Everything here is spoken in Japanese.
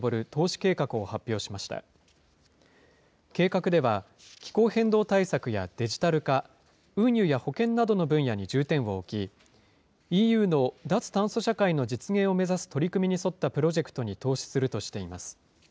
計画では、気候変動対策やデジタル化、運輸や保健などの分野に重点を置き、ＥＵの脱炭素社会の実現を目指す取り組みに沿ったプロジェクトに投資するとしています。